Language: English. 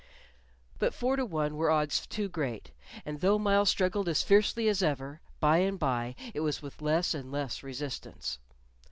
But four to one were odds too great, and though Myles struggled as fiercely as ever, by and by it was with less and less resistance.